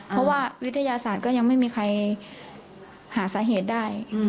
เพราะว่าวิทยาศาสตร์ก็ยังไม่มีใครหาสาเหตุได้